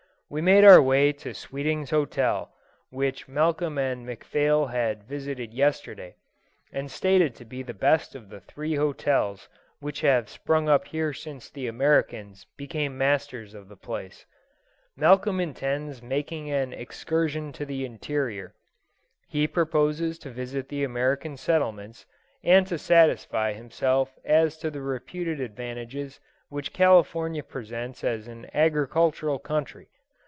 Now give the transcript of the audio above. We made our way to Sweeting's hotel, which Malcolm and McPhail had visited yesterday, and stated to be the best of the three hotels which have sprung up here since the Americans became masters of the place. Malcolm intends making an excursion to the interior. He proposes to visit the American settlements, and to satisfy himself as to the reputed advantages which California presents as an agricultural country.